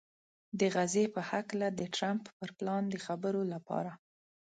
د غزې په هکله د ټرمپ پر پلان د خبرو لپاره